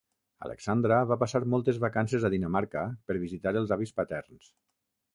Alexandra va passar moltes vacances a Dinamarca per visitar els avis paterns.